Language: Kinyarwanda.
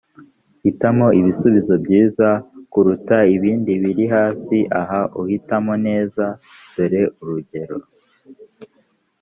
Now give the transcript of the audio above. hitamo ibisubizo byiza kuruta ibindi mu biri hasi aha uhitamo neza dore urugero